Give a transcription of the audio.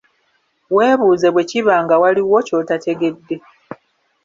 Weebuze bwe kiba nga waliwo ky'otategedde.